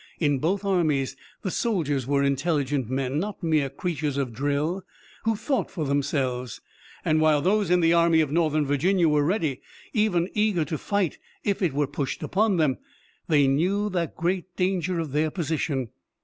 In both armies the soldiers were intelligent men not mere creatures of drill who thought for themselves, and while those in the Army of Northern Virginia were ready, even eager to fight if it were pushed upon them, they knew the great danger of their position.